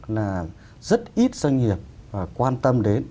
là rất ít doanh nghiệp quan tâm đến